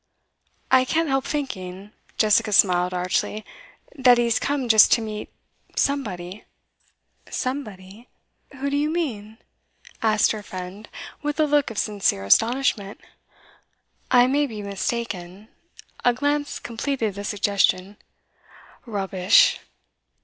'I can't help thinking' Jessica smiled archly 'that he has come just to meet somebody.' 'Somebody? Who do you mean?' asked her friend, with a look of sincere astonishment. 'I may be mistaken' a glance completed the suggestion. 'Rubbish!